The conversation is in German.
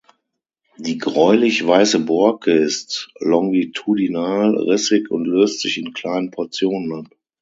Die gräulich-weiße Borke ist longitudinal rissig und löst sich in kleinen Portionen ab.